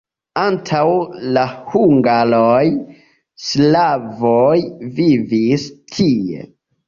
Antaŭ la hungaroj slavoj vivis tie.